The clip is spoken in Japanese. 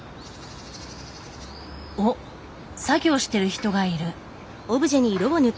おっ作業してる人がいる。